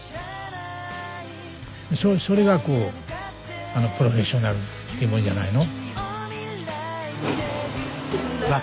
それがプロフェッショナルってもんじゃないの？